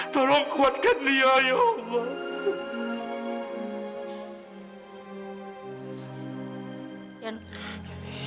tolong kuatkan lia ya allah